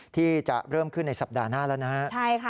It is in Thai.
ที่จะเริ่มขึ้นในสัปดาห์หน้าแล้วนะฮะ